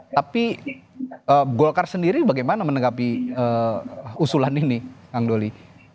tapi golkar sendiri bagaimana menanggapi usulan ini bang doli